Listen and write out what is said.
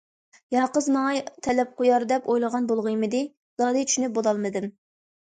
يا قىز ماڭا تەلەپ قويار دەپ ئويلىغان بولغىيمىدى؟ زادى چۈشىنىپ بولالمىدىم.